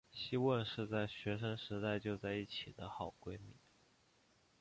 希汶是学生时代就在一起的好闺蜜。